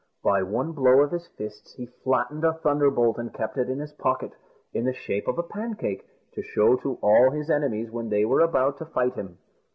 By one blow of his fists he flattened a thunderbolt and kept it in his pocket, in the shape of a pancake, to show to all his enemies, when they were about to fight him.